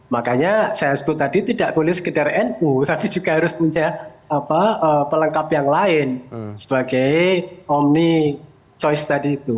makanya saya sebut tadi tidak boleh sekedar nu tapi juga harus mencari pelengkap yang lain sebagai omni choice tadi itu